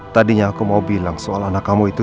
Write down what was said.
tadinya aku mau bilang soal anak kamu itu